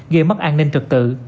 gây mất an ninh trực tự